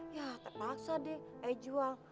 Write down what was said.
ya tak paksa deh ayah jual